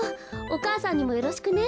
お母さんにもよろしくね。